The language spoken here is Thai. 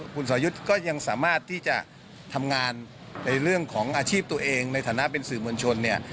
คุณสอยุทธ์ก็ยังสามารถที่จะทำงานในเรื่องของอาชีพตัวเองในฐานะเป็นสื่อมวลชนเนี่ย